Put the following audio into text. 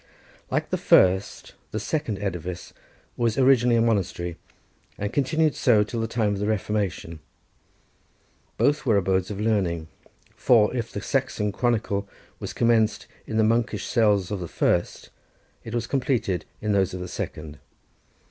Like the first, the second edifice was originally a monastery, and continued so till the time of the Reformation; both were abodes of learning; for if the Saxon Chronicle was commenced in the monkish cells of the first, it was completed in those of the second.